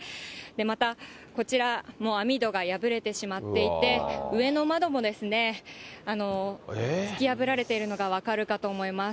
また、こちらも網戸が破れてしまっていて、上の窓も突き破られているのが分かるかと思います。